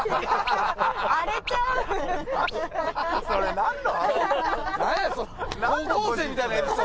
それ何の！？